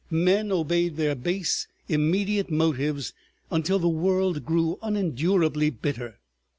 Men obeyed their base immediate motives until the world grew unendurably bitter.